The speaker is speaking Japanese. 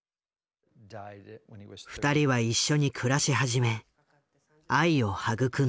２人は一緒に暮らし始め愛を育んだ。